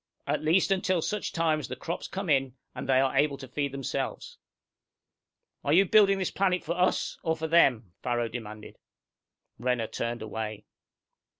At least until such time as the crops come in, and they are able to feed themselves!" "Are you building this planet for us, or for them?" Farrow demanded. Renner turned away.